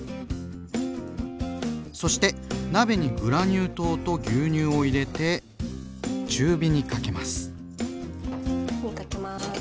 そして鍋にグラニュー糖と牛乳を入れて中火にかけます。